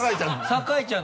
酒井ちゃん。